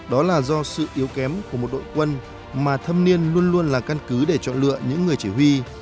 đó là do sự yếu kém của một đội quân mà thâm niên luôn luôn là căn cứ để chọn lựa những người chỉ huy